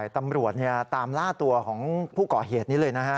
ตำรวจตามล่าตัวของผู้ก่อเหตุนี้เลยนะฮะ